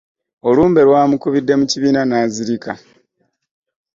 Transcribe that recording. Olumbe lwamukubidde mu kibiina n'azirika.